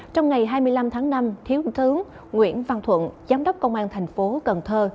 trong ngày hai mươi năm tháng năm thiếu thướng nguyễn văn thuận giám đốc công an thành phố cần thơ